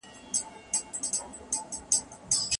که یو څوک نشه وي، ایا طلاق یې واقع کیږي؟